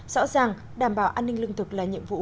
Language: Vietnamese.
rõ ràng đảm bảo an ninh lương thực là nhiệm vụ